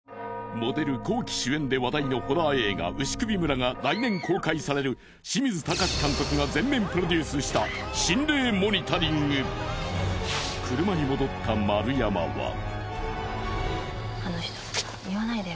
モデルＫｏｋｉ，主演で話題のホラー映画「牛首村」が来年公開される清水崇監督が全面プロデュースした心霊モニタリング車に戻った丸山は言わないでよ